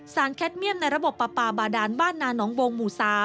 แคทเมี่ยมในระบบปลาปลาบาดานบ้านนาน้องวงหมู่๓